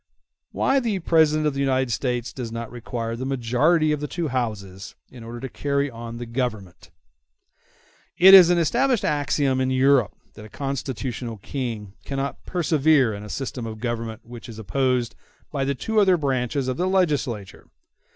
Why The President Of The United States Does Not Require The Majority Of The Two Houses In Order To Carry On The Government It is an established axiom in Europe that a constitutional King cannot persevere in a system of government which is opposed by the two other branches of the legislature.